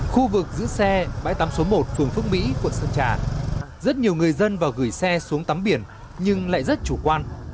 khu vực giữ xe bãi tắm số một phường phước mỹ quận sơn trà rất nhiều người dân và gửi xe xuống tắm biển nhưng lại rất chủ quan